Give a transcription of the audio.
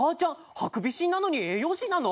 ハクビシンなのに栄養士なの？